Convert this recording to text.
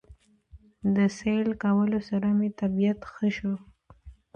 د سېل کولو سره مې طبعيت ښه شو